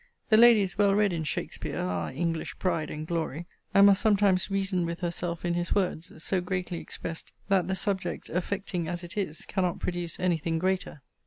The lady is well read in Shakspeare, our English pride and glory; and must sometimes reason with herself in his words, so greatly expressed, that the subject, affecting as it is, cannot produce any thing greater.